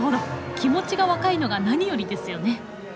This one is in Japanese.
気持ちが若いのが何よりですよね。